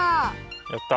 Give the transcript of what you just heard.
やった！